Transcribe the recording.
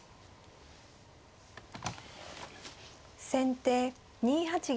先手２八玉。